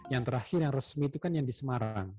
yang terakhir yang resmi itu kan yang di semarang